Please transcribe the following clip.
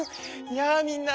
やあみんな！